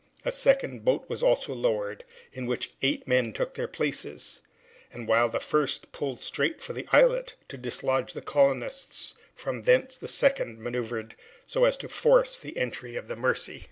A second boat was also lowered, in which eight men took their places, and while the first pulled straight for the islet, to dislodge the colonists from thence the second maneuvered so as to force the entrance of the Mercy.